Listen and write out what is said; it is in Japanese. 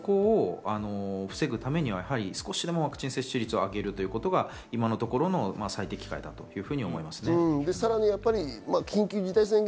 そこを防ぐためには少しでもワクチン接種率を上げるということが今のところの最適機会だと思いますね。